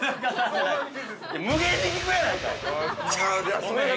◆無限に聞くやないかい！